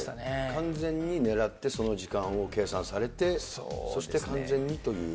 完全に狙って、その時間を計算されて、そして完全にという。